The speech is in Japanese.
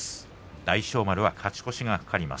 大翔丸は勝ち越しが懸かります。